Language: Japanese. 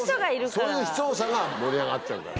そういう視聴者が盛り上がっちゃうから。